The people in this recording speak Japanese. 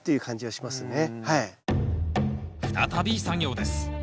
再び作業です。